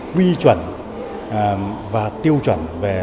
quy chuẩn và tiêu chuẩn